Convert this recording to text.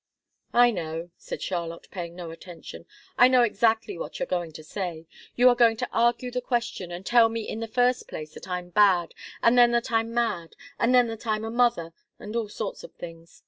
"I know," said Charlotte, paying no attention. "I know exactly what you're going to say. You are going to argue the question, and tell me in the first place that I'm bad, and then that I'm mad, and then that I'm a mother, and all sorts of things.